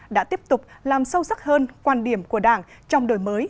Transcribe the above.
đã tiếp tục làm sâu sắc hơn quan điểm của đảng trong đổi mới